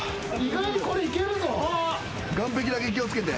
岸壁だけ気を付けて。